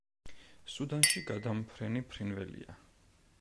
სუდანში გადამფრენი ფრინველია.